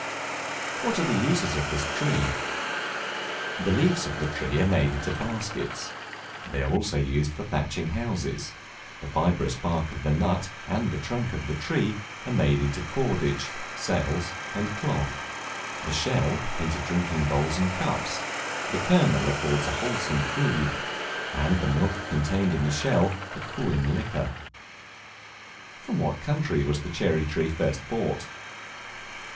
What are the uses of this Tree? The leaves of the tree are made into baskets; they are also used for thatching houses: the fibrous bark of the nut, and the trunk of the tree, are made into cordage, sails, and cloth; the shell, into drinking bowls and cups; the kernel affords a wholesome food, and the milk contained in the shell, a cooling liquor. From what country was the Cherry Tree first brought?